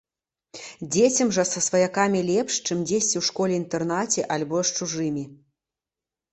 Дзецям жа са сваякамі лепш, чым дзесьці ў школе-інтэрнаце альбо з чужымі.